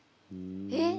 えっ！？